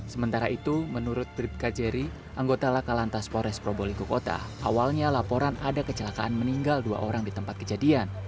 sementara itu menurut dripka jerry anggota lakalantas pores pro boling kukota awalnya laporan ada kecelakaan meninggal dua orang di tempat kejadian